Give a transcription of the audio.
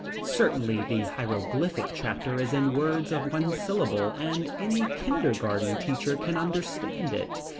Certainly the Hieroglyphic chapter is in words of one syllable and any kindergarten teacher can understand it.